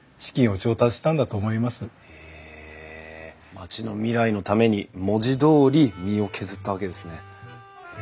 町の未来のために文字どおり身を削ったわけですね。